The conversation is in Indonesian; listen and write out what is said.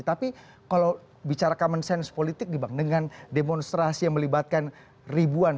tapi kalau bicara common sense politik nih bang dengan demonstrasi yang melibatkan ribuan